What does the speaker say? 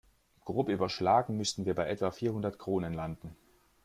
Grob überschlagen müssten wir bei etwa vierhundert Kronen landen.